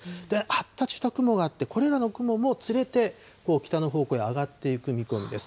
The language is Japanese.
発達した雲があって、これらの雲も連れて、北の方向へ上がっていく見込みです。